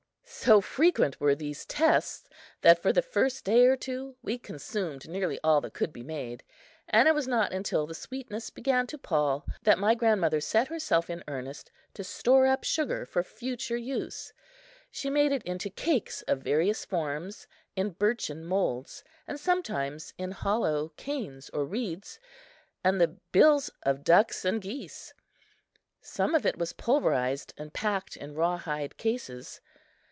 So frequent were these tests that for the first day or two we consumed nearly all that could be made; and it was not until the sweetness began to pall that my grandmother set herself in earnest to store up sugar for future use. She made it into cakes of various forms, in birchen molds, and sometimes in hollow canes or reeds, and the bills of ducks and geese. Some of it was pulverized and packed in rawhide cases.